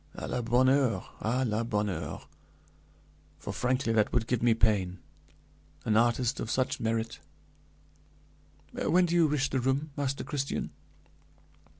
"À la bonne heure! à la bonne heure! For frankly that would give me pain; an artist of such merit! When do you wish the room, Master Christian?"